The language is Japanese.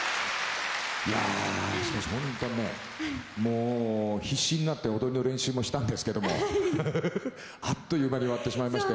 いやしかし本当ねもう必死になって踊りの練習もしたんですけどもあっという間に終わってしまいました。